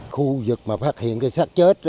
khu vực mà phát hiện cái sát chết